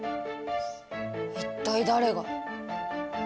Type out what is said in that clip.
一体誰が。